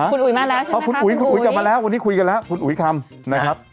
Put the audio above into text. คุณอุ๋ยมาแล้วใช่ไหมคุณอุ๋ยคุณอุ๋ยกลับมาแล้ววันนี้คุยกันแล้วคุณอุ๋ยคำนะครับ